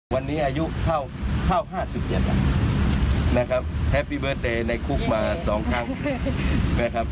วันนี้อายุเข้าเข้าห้าสิบเจ็ดครับนะครับในคุกมาสองครั้งนะครับ